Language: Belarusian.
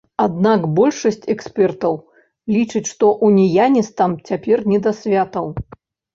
Аднак большасць экспертаў лічаць, што ўніяністам цяпер не да святаў.